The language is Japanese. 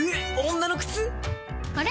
女の靴⁉あれ？